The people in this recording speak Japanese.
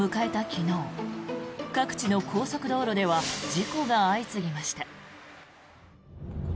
昨日各地の高速道路では事故が相次ぎました。